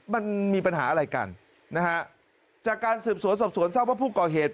มันมีปัญหาอะไรกันนะฮะจากการสืบสวนสอบสวนทราบว่าผู้ก่อเหตุ